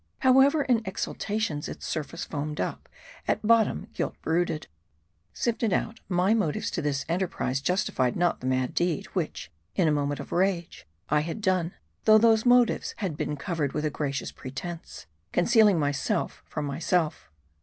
However in exultations its surface foamed up, at bottom guilt brooded. Sifted out, my motives to this enterprise justified not the mad deed, which, in a moment of rage', I had done : though, those motives had been covered with a gracious pretense ; concealing my self from myself.